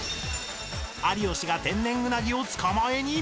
有吉が天然うなぎを捕まえに